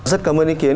rất cảm ơn ý kiến